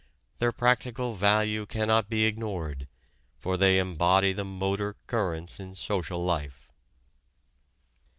Their practical value cannot be ignored, for they embody the motor currents in social life.